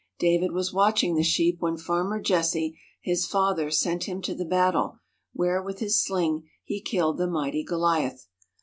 David was watching the sheep when Farmer Jesse, his father, sent him to the battle, where with his sling he killed the mighty Goliath.